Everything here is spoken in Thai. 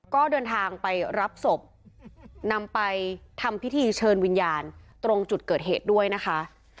ก็เดินทางไปรับศพนำไปทำพิธีเชิญวิญญาณตรงจุดเกิดเหตุด้วยนะคะ